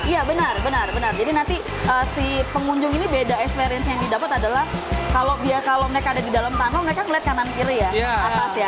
iya benar benar jadi nanti si pengunjung ini beda experience yang didapat adalah kalau mereka ada di dalam tanah mereka melihat kanan kiri ya